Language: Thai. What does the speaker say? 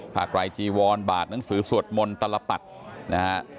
ผ่านรายจีวรบาทหนังสือสวดมนต์ตลปัตย์